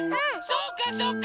そうかそうか！